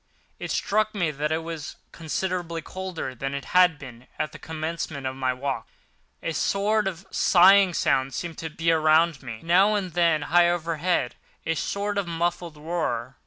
It struck me that it was considerably colder than it had been at the commencement of my walk—a sort of sighing sound seemed to be around me, with, now and then, high overhead, a sort of muffled roar.